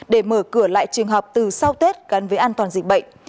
để mở cửa lại trường học từ sau tết gắn với an toàn dịch bệnh